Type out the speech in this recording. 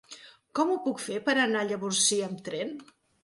Com ho puc fer per anar a Llavorsí amb tren?